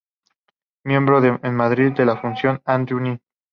Miembro en Madrid de la Fundación Andreu Nin.